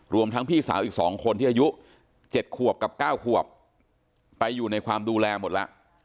ทั้งพี่สาวอีก๒คนที่อายุ๗ขวบกับ๙ขวบไปอยู่ในความดูแลหมดแล้ว